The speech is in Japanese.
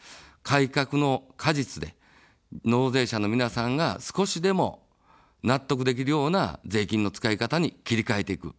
改革の果実で、納税者の皆さんが少しでも納得できるような税金の使い方に切り替えていく。